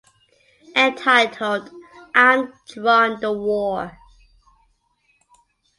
Entitled ""I’ve Drawn the War.